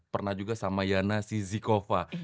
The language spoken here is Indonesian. pernah juga sama yana sizzikova